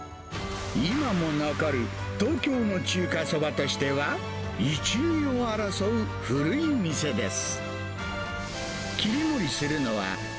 今も残る東京の中華そばとしては、一、二を争う古い店です。